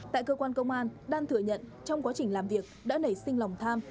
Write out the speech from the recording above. tại cơ quan công an đan thừa nhận trong quá trình làm việc đã nảy sinh lòng tham